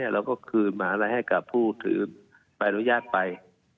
เราก็คืนมหาลัยให้กับผู้ถือใบอนุญาตไป